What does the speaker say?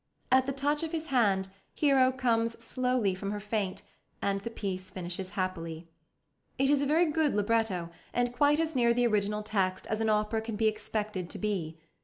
At the touch of his hand Hero comes slowly from her faint, and the piece finishes happily. It is a very good libretto, and quite as near the original text as an opera can be expected to be.